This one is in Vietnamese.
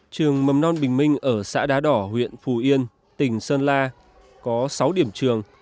trường mầm non bình minh ở xã đá đỏ huyện phù yên tỉnh sơn la có sáu điểm trường